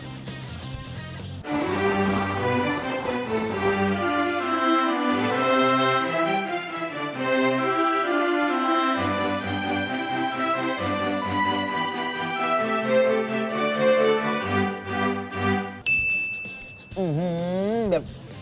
อื้อหือแบบ